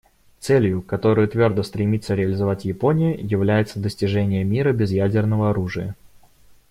Целью, которую твердо стремится реализовать Япония, является достижение мира без ядерного оружия.